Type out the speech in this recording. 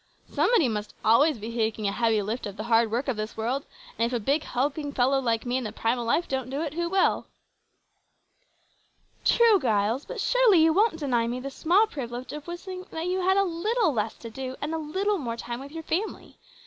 "Somebody must always be taking a heavy lift of the hard work of this world, and if a big hulking fellow like me in the prime o' life don't do it, who will?" "True, Giles, but surely you won't deny me the small privilege of wishing that you had a little less to do, and a little more time with your family.